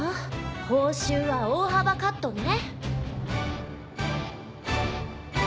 報酬は大幅カットね。